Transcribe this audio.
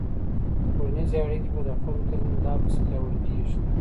ټولنيزې اړيکې به د خلګو ترمنځ لا پسې پياوړي کيږي.